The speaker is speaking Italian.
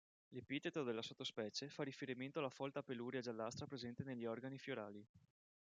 L’epiteto della sottospecie fa riferimento alla folta peluria giallastra presente negli organi fiorali.